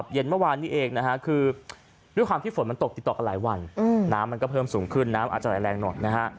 เย็นเมื่อวานนี้เองนะฮะคือด้วยความที่ฝนมันตกติดต่อกันหลายวันน้ำมันก็เพิ่มสูงขึ้นน้ำอาจจะไหลแรงหน่อยนะฮะ